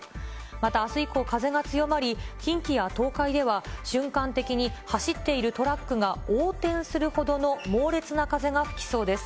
またあす以降、風が強まり、近畿や東海では、瞬間的に走っているトラックが横転するほどの猛烈な風が吹きそうです。